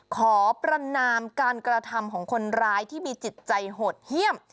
ขอประนามการกระทำของคนร้ายที่มีจิตใจโหดเยี่ยม